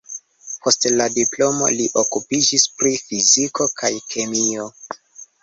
Post la diplomo li okupiĝis pri fiziko kaj kemio.